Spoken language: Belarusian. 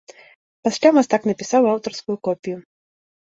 Пасля мастак напісаў аўтарскую копію.